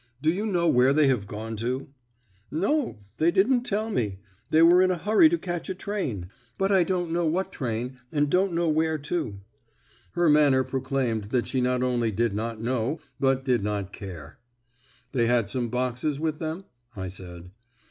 "Do you know where they have gone to?" "No; they didn't tell me. They were in a hurry to catch a train; but I don't know what train, and don't know where to." Her manner proclaimed that she not only did not know, but did not care. "They had some boxes with them?" I said.